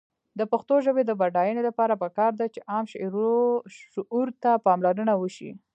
د پښتو ژبې د بډاینې لپاره پکار ده چې عام شعور ته پاملرنه وشي.